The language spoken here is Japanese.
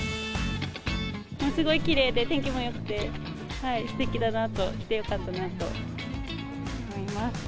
ものすごいきれいで天気もよくて、すてきだなと、来てよかったなと思います。